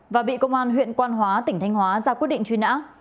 và bị công an huyện quan hóa tỉnh thanh hóa ra quyết định truy nã